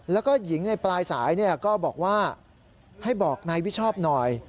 แล้วก็หญิงในปลายสายก็บอกว่าให้บอกนายวิชอบหน่อย